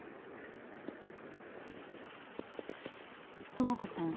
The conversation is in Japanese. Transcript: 朋子さん